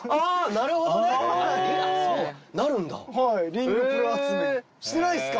リングプル集めしてないっすか？